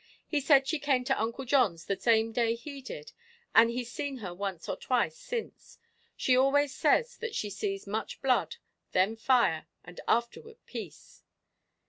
"He said she came to Uncle John's the same day he did, and he's seen her once or twice since. She always says that she sees much blood, then fire, and afterward peace."